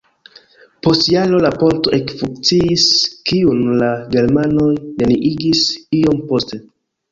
Post jaro la ponto ekfunkciis, kiun la germanoj neniigis iom poste.